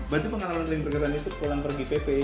berarti pengalaman paling bergerakannya itu pulang pergi pp